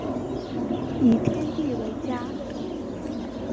以天地为家